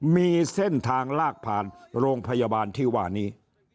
มีเส้นทางลากผ่านโรงพยาบาลที่ว่านี้